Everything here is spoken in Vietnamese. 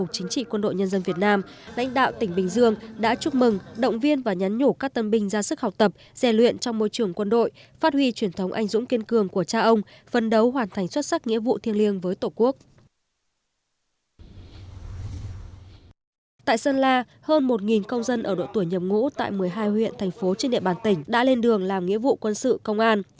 tại sơn la hơn một công dân ở đội tuổi nhập ngũ tại một mươi hai huyện thành phố trên địa bàn tỉnh đã lên đường làm nghĩa vụ quân sự công an